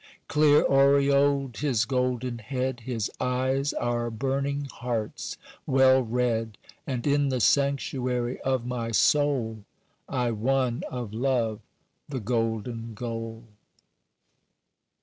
"Clear aureoled his golden head, His eyes our burning hearts well read, And in the sanctuary of my soul I won of love the golden goal."